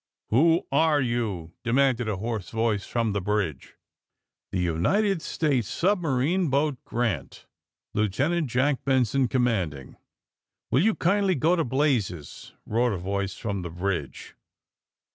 '' '*"Who are you?" demanded a hoarse voice from the bridge. The United States Submarine Boat * Grant/ Lieutenant John Benson, commanding." '^Will you kindly go to blazes!" roared a voice from the bridge.